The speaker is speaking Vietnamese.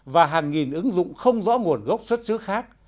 và hàng nghìn ứng dụng không rõ nguồn gốc xuất xứ khác